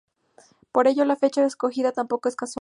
Por ello, la fecha escogida tampoco es casual.